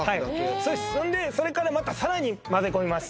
それでそれからまたさらにまぜ込みます